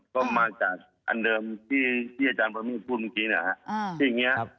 ก็มาจากอันเดิมที่อาจารย์พระมีธพูดเมื่อกี้เนี่ยค่ะ